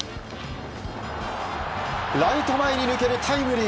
ライト前に抜けるタイムリー。